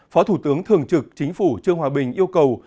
phó thủ tướng thường trực chính phủ trương hòa bình yêu cầu